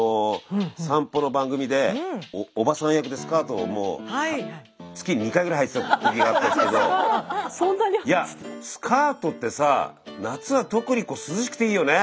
散歩の番組でおばさん役でスカートを月に２回ぐらいはいてた時があったんですけどいやスカートってさ夏は特に涼しくていいよね。